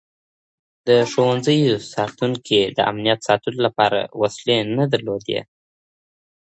د ښوونځیو ساتونکي د امنیت ساتلو لپاره وسلې نه درلودې.